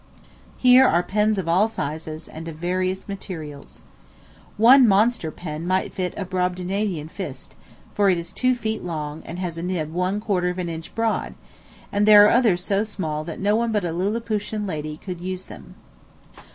Here are pens of all sizes, and of various materials. One monster pen might fit a Brobdignagian fist, for it is two feet long, and has a nib one quarter of an inch broad; and there are others so small that no one but a Liliputian lady could use them.